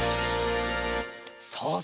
さあ